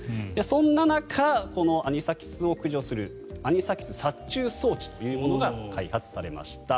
そんな中このアニサキスを駆除するアニサキス殺虫装置というものが開発されました。